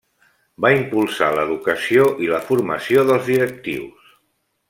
Va impulsar l'educació i la formació dels directius.